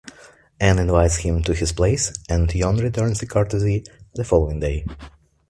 An invites him to his place and Yuan returns the courtesy the following day.